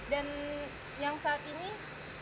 dan yang saat ini